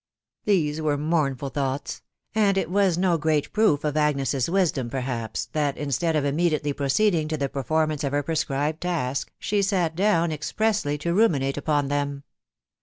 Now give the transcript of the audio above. These were mournful thoughts ; and it was no great proof of Agnes's wisdom, perhaps, that, instead of immediately pro ceeding to the performance of her prescribed task, she sat down expressly to ruminate upon them.